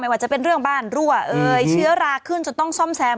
ว่าจะเป็นเรื่องบ้านรั่วเอ่ยเชื้อราขึ้นจนต้องซ่อมแซม